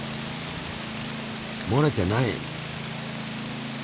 もれてない！